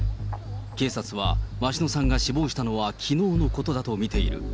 警察は鷲野さんが死亡したのはきのうのことだと見ている。